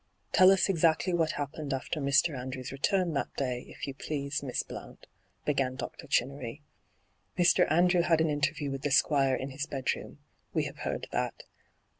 ' Tell us exactly what happened after Mr, Andrew's return that day, if you please, Miss Blount,' began Dr. Chinnery. ' Mr, Andrew ■had an interview with the Squire in his bedroom — we have heard that.